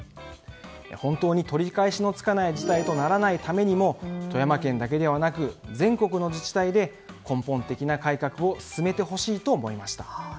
本当に取り返しのつかない事態とならないためにも富山県だけではなく全国の自治体で根本的な改革を進めてほしいと思いました。